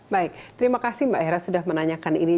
baik terima kasih mbak hera sudah menanyakan ini